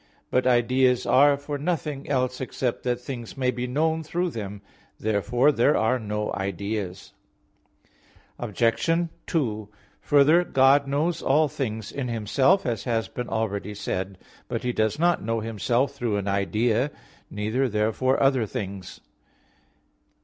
But ideas are for nothing else except that things may be known through them. Therefore there are no ideas. Obj. 2: Further, God knows all things in Himself, as has been already said (Q. 14, A. 5). But He does not know Himself through an idea; neither therefore other things.